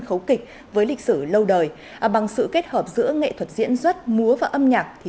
khấu kịch với lịch sử lâu đời bằng sự kết hợp giữa nghệ thuật diễn xuất múa và âm nhạc thì